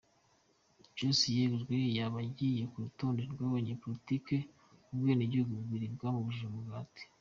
Joyce yegujwe yaba agiye ku rutonde rw’abanyapolitiki ubwenegihugu bubiri bwabujije umugati.